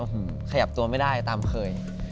โอ้หือขยับตัวไม่ได้ตามเคย